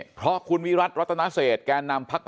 เพราะคุณวิรัตรรัตนาเศสแกนำพลังประชารัฐเนี่ย